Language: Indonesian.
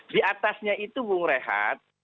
di atasnya itu punggur renhat